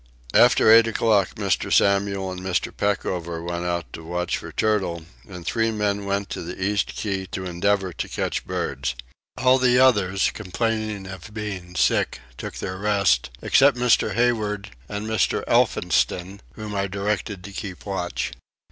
After eight o'clock Mr. Samuel and Mr. Peckover went out to watch for turtle and three men went to the east key to endeavour to catch birds. All the others, complaining of being sick, took their rest, except Mr. Hayward and Mr. Elphinston whom I directed to keep watch.